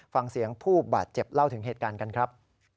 ฟังเสียงผู้บาดเจ็บเล่าถึงเหตุการณ์กันครับ